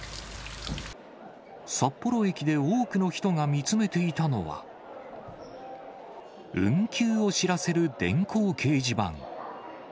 札幌駅で多くの人が見つめていたのは、運休を知らせる電光掲示板。